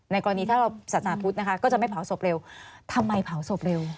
กรณีถ้าเราศาสนาพุทธนะคะก็จะไม่เผาศพเร็วทำไมเผาศพเร็ว